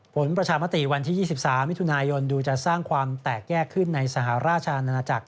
ประชามติวันที่๒๓มิถุนายนดูจะสร้างความแตกแยกขึ้นในสหราชอาณาจักร